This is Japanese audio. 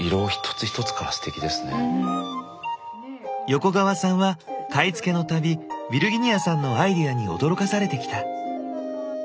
横川さんは買い付けのたびヴィルギニヤさんのアイデアに驚かされてきた。